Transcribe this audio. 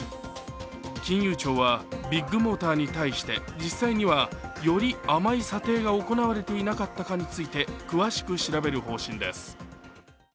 金融庁はビッグモーターに対して実際にはより甘い査定が行われていなかったかについて詳しく調べる方針です。